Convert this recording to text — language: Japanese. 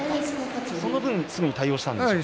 その分すぐに対応したんですか？